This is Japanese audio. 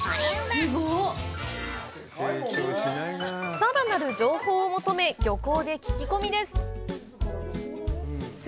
さらなる情報を求め漁港で聞き込みです。